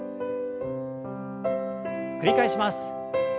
繰り返します。